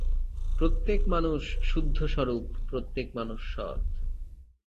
প্রত্যেক মানুষ শুদ্ধস্বরূপ, প্রত্যেক মানুষ সৎ।